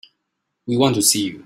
We want to see you.